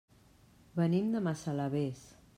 Venim de Massalavés.